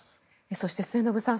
そして、末延さん